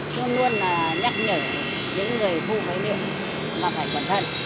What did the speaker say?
luôn luôn là nhắc nhở những người thu phế liệu là phải cẩn thận